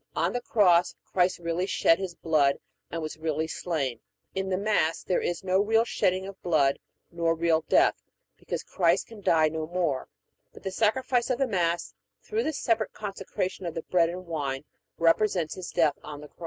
On the Cross Christ really shed His blood and was really slain; in the Mass there is no real shedding of blood nor real death, because Christ can die no more; but the sacrifice of the Mass, through the separate consecration of the bread and the wine, represents His death on the Cross.